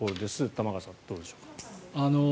玉川さん、どうでしょうか。